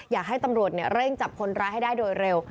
อยากให้ตำรวจเร่งจับคนร้ายให้ได้โดยเร็ว